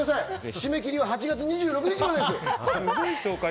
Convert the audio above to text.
締め切りは８月２６日です！